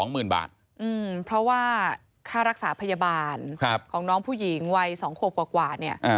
เหมือนเพราะว่าค่ารักษาพยาบาลของน้องผู้หญิงวัย๒ควบกว่า